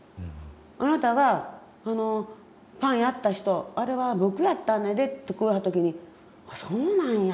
「あなたがパンやった人あれは僕やったんやで」ってこう言わはった時にそうなんや。